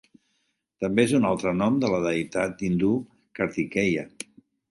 També és un altre nom de la deïtat hindú Kartikeya.